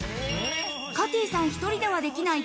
カティーさん１人ではできない